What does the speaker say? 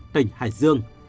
tỉnh hải dương